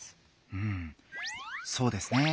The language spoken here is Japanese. うんそうですね。